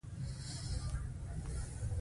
څه ګناه مې کړې ده چې تاسې یې وهئ.